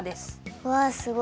うわすごい。